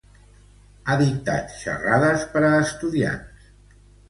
Ha dictat xarrades per a estudiants.